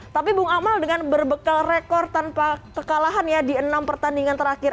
tapi bung amal dengan berbekal rekor tanpa kekalahan ya di enam pertandingan terakhir